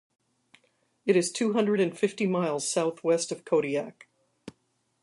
It is two hundred and fifty miles southwest of Kodiak.